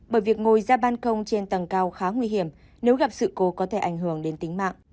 bởi việc ngồi ra ban công trên tầng cao khá nguy hiểm nếu gặp sự cố có thể ảnh hưởng đến tính mạng